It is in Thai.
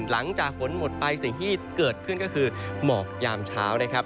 หลังจากฝนหมดไปสิ่งที่เกิดขึ้นก็คือหมอกยามเช้านะครับ